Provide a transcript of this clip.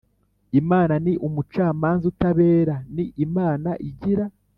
Imana ni umucamanza utabera Ni Imana igira